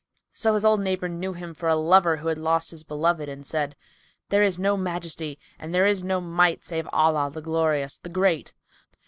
So his old neighbour knew him for a lover who had lost his beloved and said, "There is no Majesty and there is no Might, save in Allah, the Glorious, the Great!